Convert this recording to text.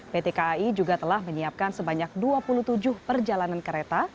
pt kai juga telah menyiapkan sebanyak dua puluh tujuh perjalanan kereta